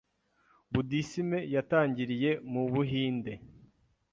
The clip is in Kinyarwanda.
Budisime yatangiriye mu Buhinde.